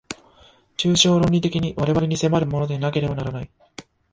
抽象論理的に我々に迫るものでなければならない。